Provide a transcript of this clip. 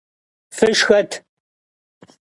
Fışşxet!